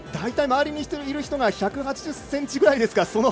周りにいる人が１８０ｃｍぐらいですか。